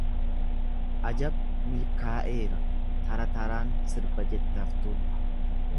Ajab! Milkaa'eera, tara taraan sirba jette haftuun.